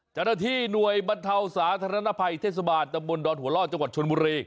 เจ้าหน้าที่หน่วยบรรเทาสาธารณภัยเทศบาลตำบลดอนหัวล่อจังหวัดชนบุรี